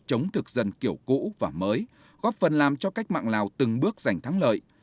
chống thực dân kiểu cũ và mới góp phần làm cho cách mạng lào từng bước giành thắng lợi